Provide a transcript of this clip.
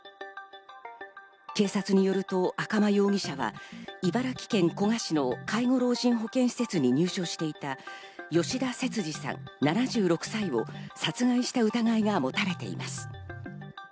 警察によると赤間容疑者は茨城県古河市の介護老人保健施設に入所していた吉田節次さん、７６歳を殺害した疑いが持たれています。